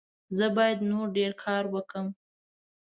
زه باید نور ډېر کارونه وکړم.